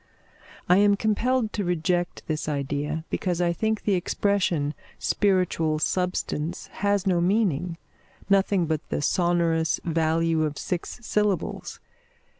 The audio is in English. I am compelled to reject this idea, because I think the expression spiritual substance has no meaning; nothing but the sonorous value of six syllables.